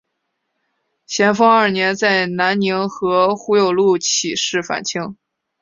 咸丰二年在南宁和胡有禄起事反清。